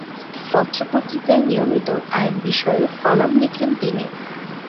পত্র-পত্রিকায় নিয়মিত আইন বিষয় কলাম লিখেন তিনি।